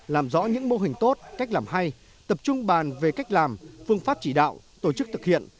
làm rõ những mô hình tốt cách làm hay tập trung bàn về cách làm phương pháp chỉ đạo tổ chức thực hiện